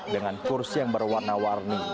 dengan kursi yang berwarna warni